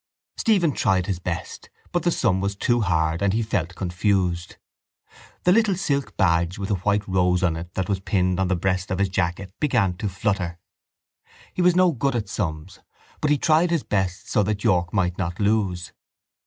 Stephen tried his best but the sum was too hard and he felt confused. The little silk badge with the white rose on it that was pinned on the breast of his jacket began to flutter. He was no good at sums but he tried his best so that York might not lose.